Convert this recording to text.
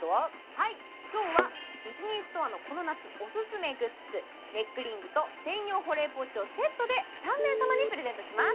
はい今日はディズニーストアのこの夏オススメグッズネックリングと専用保冷ポーチをセットで３名様にプレゼントします